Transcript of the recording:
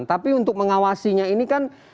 tapi untuk mengawasinya ini kan